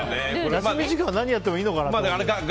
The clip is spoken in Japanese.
休み時間は何やってもいいのかなって思うけど。